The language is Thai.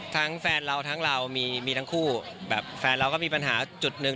แฟนเราทั้งเรามีทั้งคู่แบบแฟนเราก็มีปัญหาจุดหนึ่ง